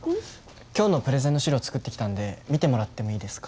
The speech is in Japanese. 今日のプレゼンの資料作ってきたんで見てもらってもいいですか？